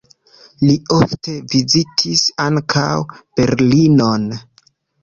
Li ofte vizitis ankaŭ Berlinon.